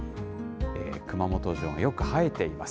熊本城がよく映えています。